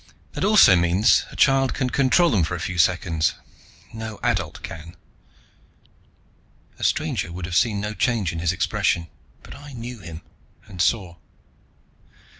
That also means a child can control them for a few seconds. No adult can." A stranger would have seen no change in his expression, but I knew him, and saw.